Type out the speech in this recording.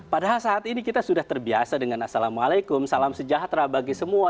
padahal saat ini kita sudah terbiasa dengan assalamualaikum salam sejahtera bagi semua